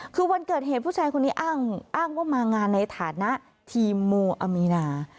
คือวันเกิดเหตุผู้ชายคนนี้อ้างว่ามางานในฐานะทีมโมอามีนา